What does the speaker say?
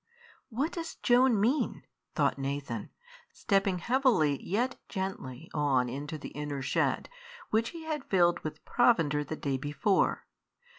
"What does Joan mean?" thought Nathan, stepping heavily yet gently on into the inner shed, which he had filled with provender the day before.